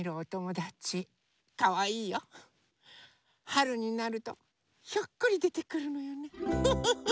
はるになるとひょっこりでてくるのよねフフフ。